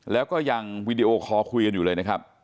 แล้วก็ยังวีดีโอคอลคุยกันอยู่เลยนะครับ